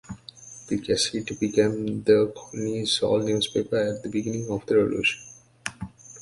The "Gazette" become the colony's sole newspaper at the beginning of the Revolution.